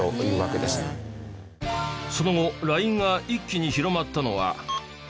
その後ＬＩＮＥが一気に広まったのは。